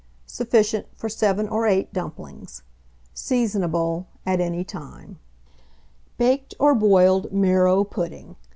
Sufficient for 7 or 8 dumplings. Seasonable at any time. BAKED OB BOILED MARROW PUDDING.